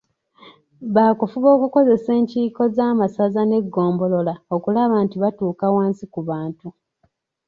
Baakufuba okukozesa enkiiko z'amasaza n'eggombolola okulaba nti batuuka wansi ku bantu.